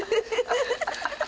ハハハハ。